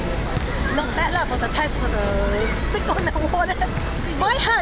tidak terlalu baik untuk tes karena terlalu keras di air